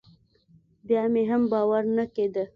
بيا مې هم باور نه کېده.